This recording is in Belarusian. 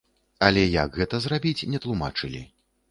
Але як гэта зрабіць, не тлумачылі.